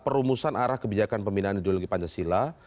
perumusan arah kebijakan pembinaan ideologi pancasila